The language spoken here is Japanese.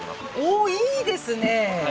おういいですね。